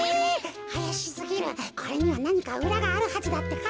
あやしすぎるこれにはなにかうらがあるはずだってか。